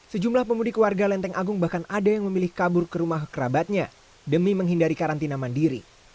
sejumlah pemudik warga lenteng agung bahkan ada yang memilih kabur ke rumah kerabatnya demi menghindari karantina mandiri